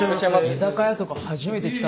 居酒屋とか初めて来た。